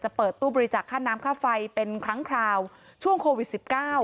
เปิดตู้บริจาคค่าน้ำค่าไฟเป็นครั้งคราวช่วงโควิดสิบเก้า